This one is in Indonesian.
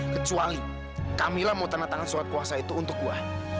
kecuali kamilah mau tanda tangan surat kuasa itu untuk gua